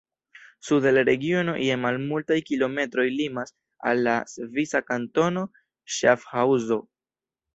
Sude la regiono je malmultaj kilometroj limas al la svisa kantono Ŝafhaŭzo.